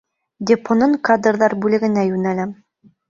Депоның кадрҙар бүлегенә йүнәләм.